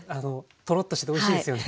とろっとしておいしいですよね。